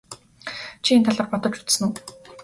Чи энэ талаар бодож үзсэн үү?